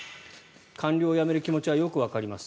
官僚を辞める気持ちはよくわかります